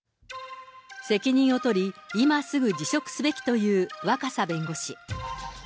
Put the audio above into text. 責任を取り、今すぐ辞職すべきという若狭弁護士。